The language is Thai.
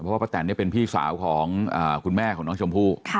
เพราะว่าปะแต่นเนี้ยเป็นพี่สาวของอ่าคุณแม่ของน้องชมพู่ค่ะ